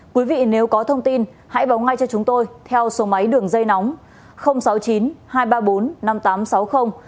quý vị nếu có thông tin hãy báo ngay cho chúng tôi theo số máy đường dây nóng sáu mươi chín hai trăm ba mươi bốn năm nghìn tám trăm sáu mươi